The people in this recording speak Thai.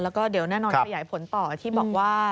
แล้วก็เดี๋ยวแน่นอนขยายผลต่อที่บอกว่า